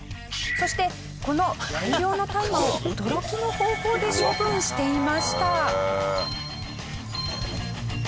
そしてこの大量の大麻を驚きの方法で処分していました。